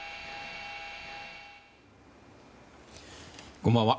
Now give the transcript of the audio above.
こんばんは。